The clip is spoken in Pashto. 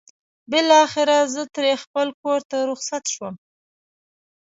بالاخره زه ترې خپل کور ته رخصت شوم.